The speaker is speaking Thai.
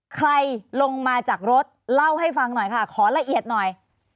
ใครลงมาจากรถเล่าให้ฟังหน่อยค่ะขอละเอียดหน่อย